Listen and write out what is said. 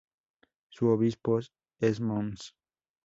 Su obispo es Mons.